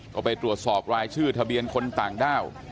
ก็ไปตรวจสอบรายชื่อทะเบียนคนต่างด้าว